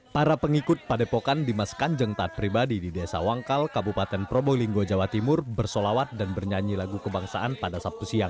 para pengikut padepokan dimas kanjeng taat pribadi di desa wangkal kabupaten probolinggo jawa timur bersolawat dan bernyanyi lagu kebangsaan pada sabtu siang